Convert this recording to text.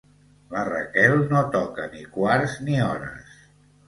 La Raquel no toca ni quarts ni hores.